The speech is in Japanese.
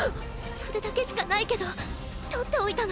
それだけしかないけど取っておいたの。